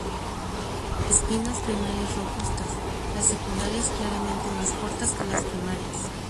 Espinas primarias robustas; las secundarias claramente más cortas que las primarias.